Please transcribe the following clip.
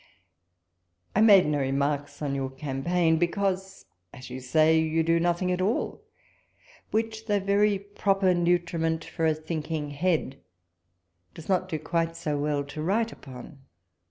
I made no remarks on j'our campaign, because, as you say, you do nothing at all ; which, though very proper nutriment for a thinking head, does not do quite so well to write upon.